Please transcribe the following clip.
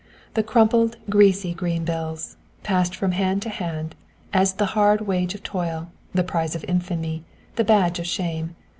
The crumpled, greasy green bills! Passed from hand to hand, as the hard wage of toil, the prize of infamy, the badge of shame!